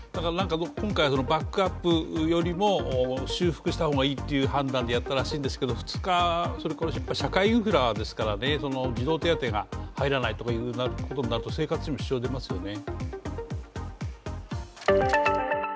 今回、バックアップよりも修復した方がいいという判断でやったらしいんですけど、２日、社会インフラですから児童手当が入らないとかいうことになると、生活に支障が出ますよね。